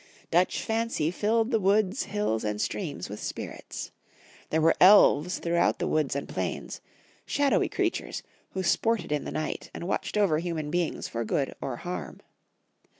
Dutch fancy filled the woods, hills, and streams with spirits. There were P'lves throughout the 28 Young Folks' Sistorj/ of dermany. woods and plains, shadoAvy creatui*es who sported in the night and watched over human beings for good or harm.